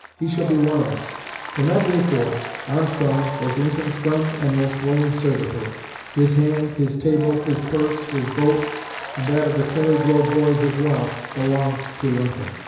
He shall be one of us.' From that day forth Armstrong was Lincoln's friend and most willing servitor. His hand, his table, his purse, his vote, and that of the Clary Grove Boys as well, belonged to Lincoln.